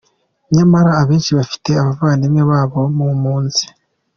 Nyamara abenshi bafite abavandimwe babo mu mpunzi.